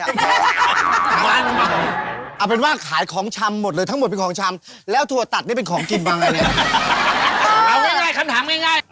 อาจเป็นว่าขายของชำหมดเลยทั้งหมดหวังชำแล้วถั่วตัดริมีของแบบมาย